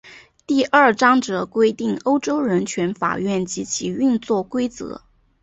第二章则规定欧洲人权法院及其运作规则。